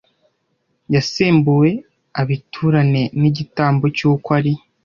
yasembuwe abiturane n igitambo cy uko ari